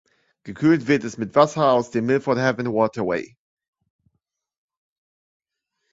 Gekühlt wird es mit Wasser aus dem Milford Haven Waterway.